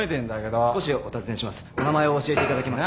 お名前を教えていただけます？